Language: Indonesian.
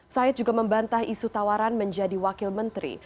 said juga membantah isu tawaran menjadi wakil menteri